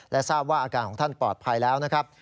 และทราบว่าอาการของท่านปลอดภัยแล้วนะครับ